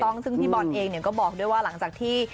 ต้องซึ่งพี่บอลเองก็บอกด้วยว่าหลังจากที่